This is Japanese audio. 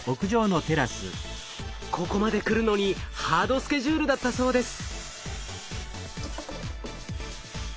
ここまでくるのにハードスケジュールだったそうです。